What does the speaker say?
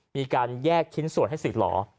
มีการแยกชิ้นส่วนให้สื่อเหรอ